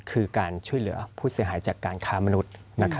คือการช่วยเหลือผู้เสียหายจากการค้ามนุษย์